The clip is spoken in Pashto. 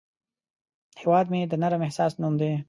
هیواد مې د نرم احساس نوم دی